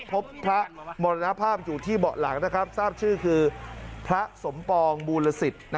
พบพระมรณภาพอยู่ที่เบาะหลังทราบชื่อคือพระสมปองบูลสิทธิ์